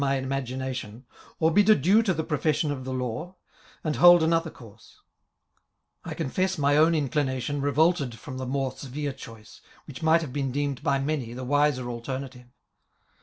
S imagination, or bid adieu to the profession of the law and hold another course* I confess my own inclination revolted firom the more severe choice, which might have been deemed by many the wiser alternative.